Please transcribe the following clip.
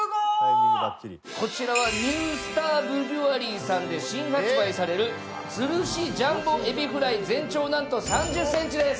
こちらはニュースターブリュワリーさんで新発売される吊るしジャンボエビフライ全長なんと３０センチです。